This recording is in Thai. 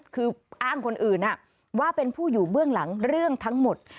คืออ้างคนอื่นว่าเป็นผู้อยู่เบื้องหลังเรื่องทั้งหมด